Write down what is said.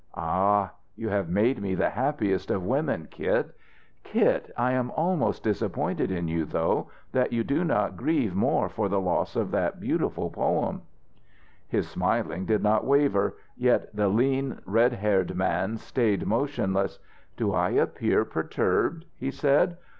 "Ah, you have made me the happiest of women, Kit! Kit, I am almost disappointed in you, though, that you do not grieve more for the loss of that beautiful poem." His smiling did not waver; yet the lean, red haired man stayed motionless. "Do I appear perturbed?" he said.